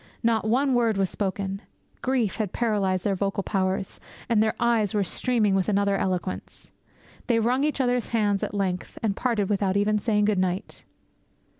Not one word was spoken. Grief had paralysed their vocal powers; and their eyes were streaming with another eloquence. They wrung each other's hands at length, and parted without even saying good night!